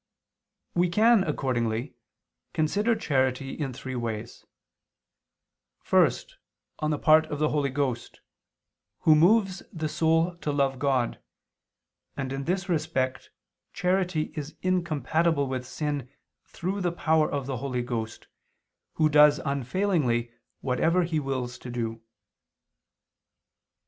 We can, accordingly, consider charity in three ways: first on the part of the Holy Ghost, Who moves the soul to love God, and in this respect charity is incompatible with sin through the power of the Holy Ghost, Who does unfailingly whatever He wills to do.